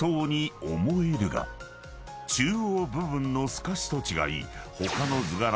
［中央部分のすかしと違い］